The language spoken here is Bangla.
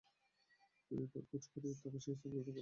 যদি তার খুঁজ করি, সে স্থান পরিবর্তন করতে থাকবে।